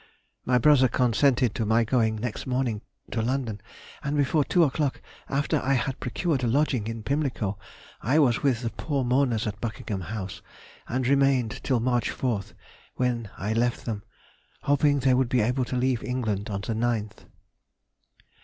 My brother consented to my going next morning to London, and before two o'clock, after I had procured a lodging in Pimlico, I was with the poor mourners at Buckingham House, and remained till March 4th, when I left them, hoping they would be able to leave England on the 9th.